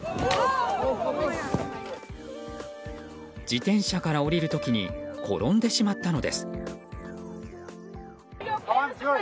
自転車から降りる時に転んでしまったのです。